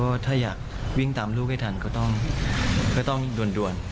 ว่าถ้าอยากวิ่งตามลูกให้ทันก็ต้องด่วน